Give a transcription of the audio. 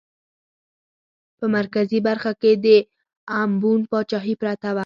په مرکزي برخه کې د امبون پاچاهي پرته وه.